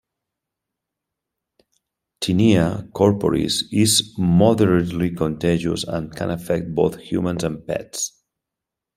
Tinea corporis is moderately contagious and can affect both humans and pets.